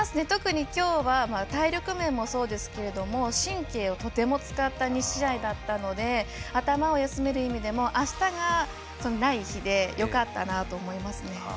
特にきょうは体力面でもそうですけど神経をとても使った２試合だったので頭を休める意味でもあしたがない日でよかったなと思いますね。